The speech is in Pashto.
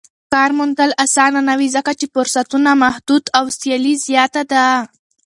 کار موندل اسانه نه وي ځکه چې فرصتونه محدود او سیالي زياته ده.